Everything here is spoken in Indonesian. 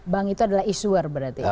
bank itu adalah issuer berarti ya